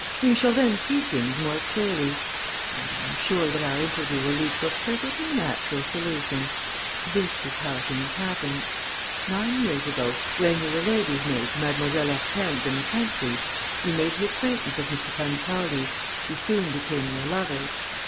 We shall then see things more clearly; and I am sure that our interview will lead to a perfectly natural solution.... This is how things happened: nine years ago, when you were lady's maid to Mlle. Hortense in the country, you made the acquaintance of M. Pancaldi, who soon became your lover.